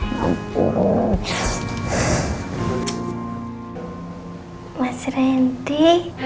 nunggu mas rindy